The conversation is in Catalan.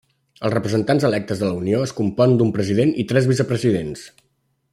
Els representants electes de la Unió es compon d'un president i tres vicepresidents.